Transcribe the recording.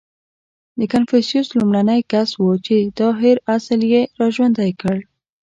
• کنفوسیوس لومړنی کس و، چې دا هېر اصل یې راژوندی کړ.